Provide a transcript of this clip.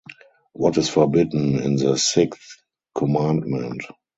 What is forbidden in the sixth commandment?